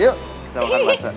yuk kita makan basa